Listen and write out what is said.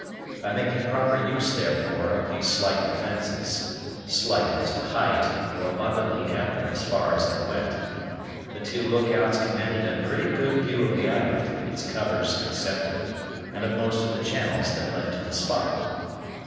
By making proper use, therefore, of these slight defences, slight as to height, though abundantly ample as far as they went, the two look outs commanded a pretty good view of the island, its covers excepted, and of most of the channels that led to the spot.